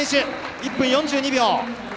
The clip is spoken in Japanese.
１分４２秒。